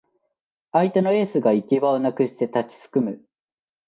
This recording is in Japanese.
相手のエースが行き場をなくして立ちすくむ